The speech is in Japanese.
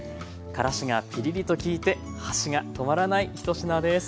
からしがピリリときいて箸が止まらないひと品です。